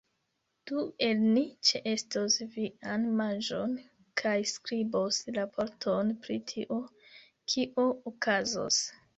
Du el ni ĉeestos vian manĝon kaj skribos raporton pri tio, kio okazos.